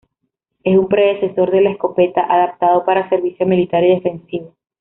Es un predecesor de la escopeta, adaptado para servicio militar y defensivo.